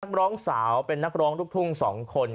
ร้องสาวเป็นนักร้องลูกทุ่ง๒คน